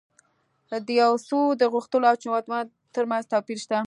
د یو څه د غوښتلو او چمتووالي ترمنځ توپیر شته